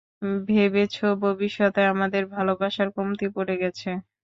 ভেবেছো ভবিষ্যতে আমাদের ভালোবাসার কমতি পড়ে গেছে?